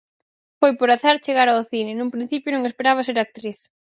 Foi por azar chegar ao cine, nun principio non esperaba ser actriz.